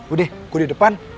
udah gue di depan